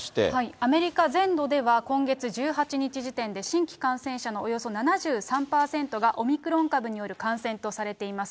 アメリカ全土では今月１８日時点で、新規感染者のおよそ７３％がオミクロン株による感染とされています。